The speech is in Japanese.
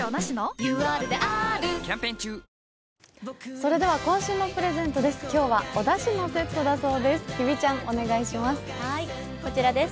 それでは、今週のプレゼントです。